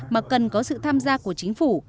mà cần có sự tham gia của chính phủ